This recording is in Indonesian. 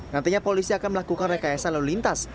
nantinya polisi akan melakukan rekayasa lalu lintas